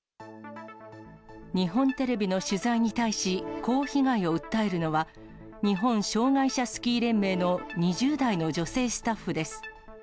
日本テレビの取材に対し、こう被害を訴えるのは、日本障害者スキー連盟の２０代の女性スタッフです。